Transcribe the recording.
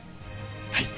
はい